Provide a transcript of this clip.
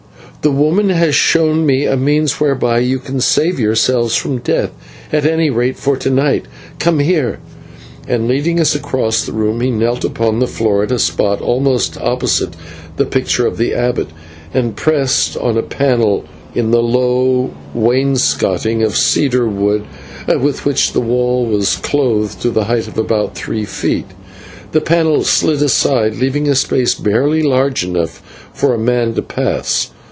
The woman has shown me a means whereby you can save yourselves from death, at any rate for to night. Come here," and, leading us across the room, he knelt upon the floor at a spot almost opposite the picture of the abbot, and pressed on a panel in the low wainscoting of cedar wood with which the wall was clothed to a height of about three feet. The panel slid aside, leaving a space barely large enough for a man to pass.